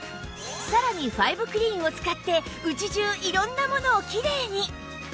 さらにファイブクリーンを使って家中色んなものをきれいに！